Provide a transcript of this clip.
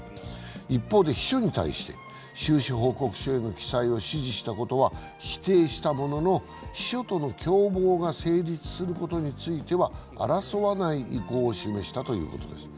一方で秘書に対して収支報告書への記載を指示したことについては否定したものの秘書との共謀が成立することについては争わない意向を示したということです。